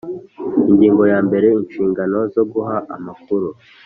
Ingingo ya mbere Inshingano zo guha amakuru